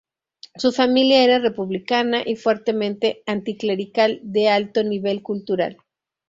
Su familia era republicana y fuertemente anticlerical, de alto nivel cultural.